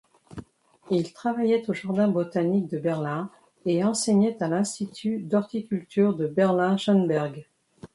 Il travaillait au jardin botanique de Berlin et enseignait à l’institut d’horticulture de Berlin-Schöneberg.